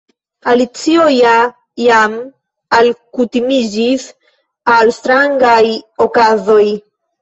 Alicio ja jam alkutimiĝis al strangaj okazoj.